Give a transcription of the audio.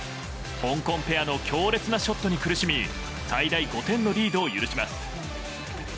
香港ペアの強烈なショットに苦しみ最大５点のリードを許します。